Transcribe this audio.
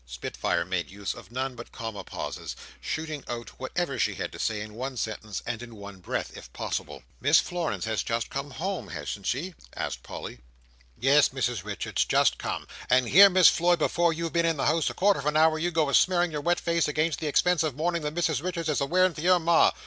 Spitfire made use of none but comma pauses; shooting out whatever she had to say in one sentence, and in one breath, if possible. "Miss Florence has just come home, hasn't she?" asked Polly. "Yes, Mrs Richards, just come, and here, Miss Floy, before you've been in the house a quarter of an hour, you go a smearing your wet face against the expensive mourning that Mrs Richards is a wearing for your Ma!"